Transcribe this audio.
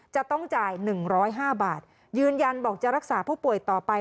จะต้องจ่าย๑๐๕บาทยืนยันบอกจะรักษาผู้ป่วยต่อไป